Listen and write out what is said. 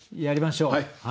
やりましょう。